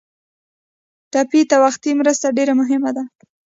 ټپي ته وختي مرسته ډېره مهمه ده.